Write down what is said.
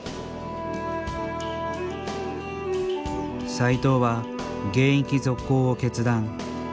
斎藤は現役続行を決断。